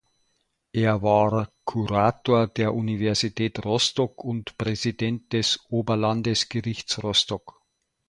Er war Kurator der Universität Rostock und Präsident des Oberlandesgerichts Rostock.